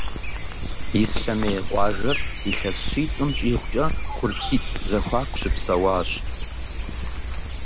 Ислъэмей къуажэр илъэс щитӏым щӏигъукӏэ Курпитӏ зэхуаку щыпсэуащ.